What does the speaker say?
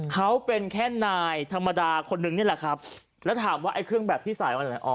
เขาเป็นแค่นายธรรมดาคนนึงนี่แหละครับแล้วถามว่าไอ้เครื่องแบบที่ใส่อันไหนอ๋อ